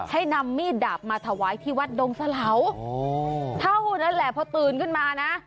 ให้นำมีดดาบมาถวายที่วัดดงสะเหลาเท่านั้นแหละพอตื่นขึ้นมานะ